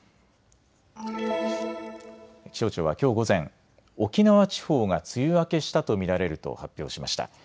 気象庁はきょう午前、沖縄地方が梅雨明けしたと見られると発表しました。